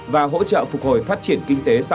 và hỗ trợ phục hồi phát triển kinh tế xã hội